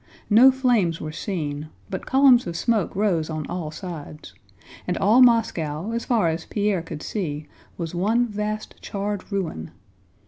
No flames were seen, but columns of smoke rose on all sides, and all Moscow as far as Pierre could see was one vast charred ruin.